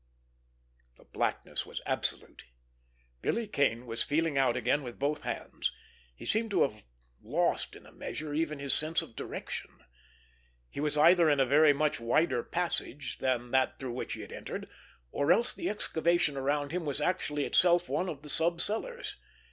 The blackness was absolute. Billy Kane was feeling out again with both hands. He seemed to have lost in a measure even his sense of direction. He was either in a very much wider passage than that through which he had entered, or else the excavation around him was actually itself one of the sub cellars.